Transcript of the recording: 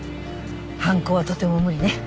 犯行はとても無理ね。